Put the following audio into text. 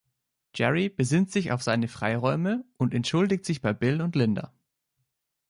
Jerry besinnt sich auf seine Freiräume und entschuldigt sich bei Bill und Linda.